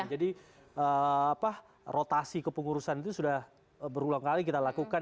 jadi rotasi kepengurusan itu sudah berulang kali kita lakukan